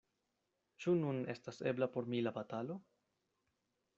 Ĉu nun estas ebla por mi la batalo?